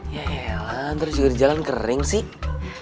ya ya elan terus juga di jalan kering sih